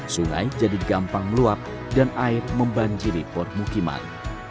sungai jadi gampang meluap dan air membanjiri port mukiman